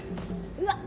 うわっ！